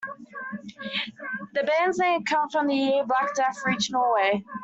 The band's name comes from the year the Black Death reached Norway.